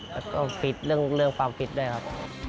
แล้วก็ฟิตเรื่องความผิดด้วยครับ